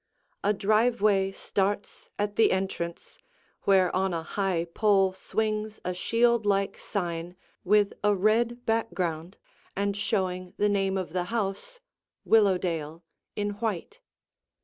A driveway starts at the entrance, where on a high pole swings a shield like sign with a red background and showing the name of the house, Willowdale, in white.